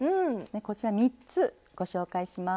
こちら３つご紹介します。